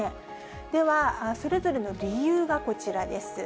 では、それぞれの理由はこちらです。